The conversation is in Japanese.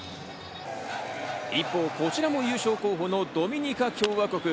一方、こちらも優勝候補のドミニカ共和国。